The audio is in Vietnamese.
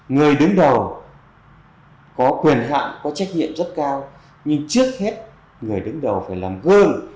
người đứng đầu có quyền hạn có trách nhiệm rất cao nhưng trước hết người đứng đầu phải làm gương